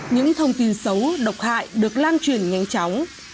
những thông tin xấu độc hại được lan truyền nhanh chóng